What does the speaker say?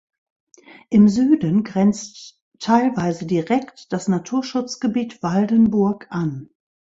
Im Süden grenzt teilweise direkt das Naturschutzgebiet Waldenburg an.